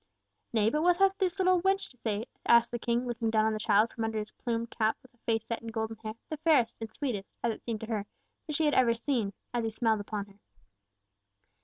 "Nay, but what hath this little wench to say?" asked the King, looking down on the child from under his plumed cap with a face set in golden hair, the fairest and sweetest, as it seemed to her, that she had ever seen, as he smiled upon her.